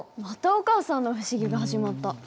またお母さんの不思議が始まった。